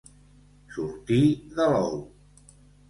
Sortir de l'ou.